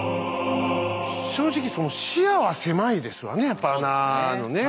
正直その視野は狭いですわねやっぱ穴のね。